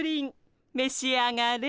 めし上がれ。